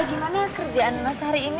gimana kerjaan mas hari ini